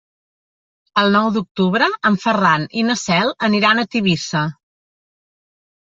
El nou d'octubre en Ferran i na Cel aniran a Tivissa.